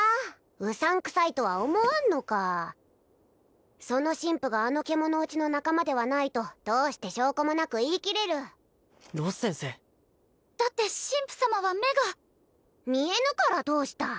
うさんくさいとは思わんのかその神父があの獣堕ちの仲間ではないとどうして証拠もなく言い切れるロス先生だって神父様は目が見えぬからどうした？